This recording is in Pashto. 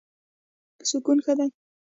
سکون ښه دی.